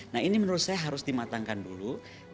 nah ini menurut saya harus dimatangkan dulu